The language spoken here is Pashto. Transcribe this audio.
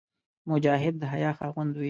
مجاهد د حیا خاوند وي.